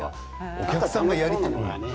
お客さんとのやり取りが。